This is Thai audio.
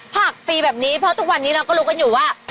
ผักฟรีแบบนี้เพราะทุกวันนี้เราก็รู้กันอยู่ว่า